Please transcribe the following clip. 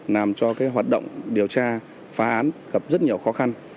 làm cho hoạt động điều tra phá án gặp rất nhiều khó khăn